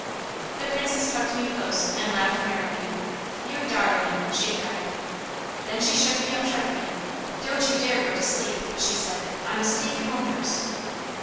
The Princess hugged me close and laughed merrily. "You darling!" she cried. Then she shook me up sharply: "Don't you dare go to sleep!" she said. "I must take you home first."